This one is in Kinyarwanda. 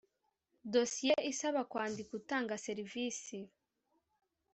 dosiye isaba kwandika utanga serivisi